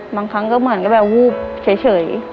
บางครั้งก็เหมือนก็แบบวูบเฉย